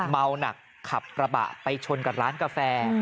เมาหนักขับกระบะไปชนกับร้านกาแฟ